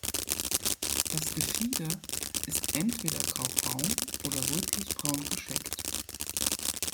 Das Gefieder ist entweder grau-braun oder rötlich-braun gescheckt.